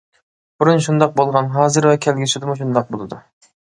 بۇرۇن شۇنداق بولغان، ھازىر ۋە كەلگۈسىدىمۇ شۇنداق بولىدۇ.